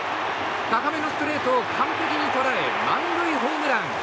高めのストレートを完璧に捉え満塁ホームラン。